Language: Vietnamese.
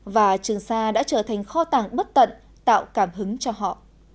và trường sa đã trở thành kho tàng bất tận tạo cảm hứng cho họ